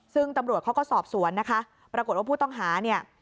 ซึ่งตำรวจเขาก็สอบสวนนะคะปรากฏว่าผู้ต้องหาเนี่ย